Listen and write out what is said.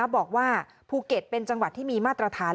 บอกว่าภูเก็ตเป็นจังหวัดที่มีมาตรฐาน